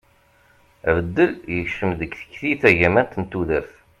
abeddel yekcem deg tikli tagamant n tudert